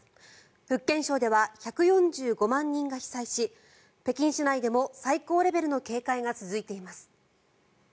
福建省では１４５万人が被災し北京市内でも最高レベルの警戒が続いています。